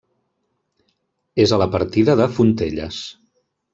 És a la partida de Fontelles.